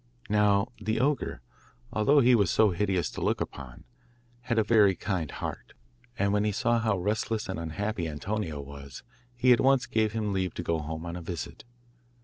Now the ogre, although he was so hideous to look upon, had a very kind heart, and when he saw how restless and unhappy Antonio was, he at once gave him leave to go home on a visit.